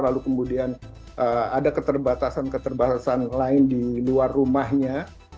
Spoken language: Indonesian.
lalu kemudian ada keterbatasan keterbatasan lain di luar rumahnya